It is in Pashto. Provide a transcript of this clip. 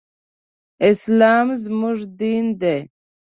اسلام زموږ دين دی.